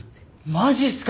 マジっすか！？